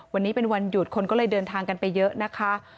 วันนี้เป็นวันหยุดคนก็เลยเดินทางกันไปเยอะนะคะ